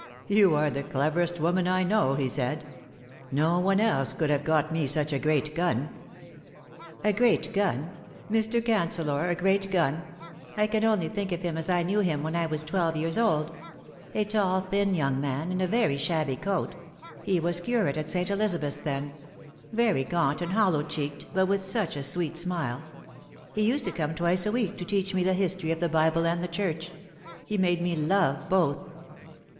'You are the cleverest woman I know,' he said. ' No one else could have got me such a great gun.' "" A great gun Mr. Cancellor a great gun ! I can only think of him as I knew him when I was twelve years old : a tall, thin young man, in a very shabby coat he was curate at St. Eliza beth's then very gaunt and hollow cheeked, but with such a sweet smile. He used to come twice a week to teach me the history of the Bible and the Church. He made me love both."